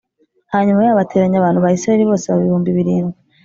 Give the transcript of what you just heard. hanyuma yabo ateranya abantu ba Isirayeli bose baba ibihumbi birindwi